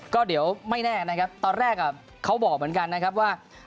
ก็เดี๋ยวไม่แน่นะครับตอนแรกเขาบอกเหมือนกันนะครับว่า